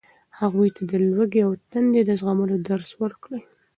هغوی ته د لوږې او تندې د زغملو درس ورکړئ.